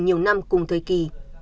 nhiều năm cùng thời kỳ